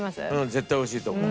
絶対美味しいと思う。